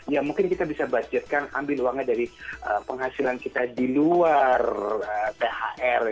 ya mungkin kita bisa budgetkan ambil uangnya dari penghasilan kita di luar thr